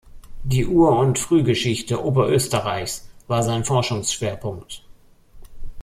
Die Ur- und Frühgeschichte Oberösterreichs war sein Forschungsschwerpunkt.